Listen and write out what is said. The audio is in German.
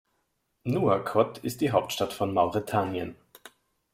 Nouakchott ist die Hauptstadt von Mauretanien.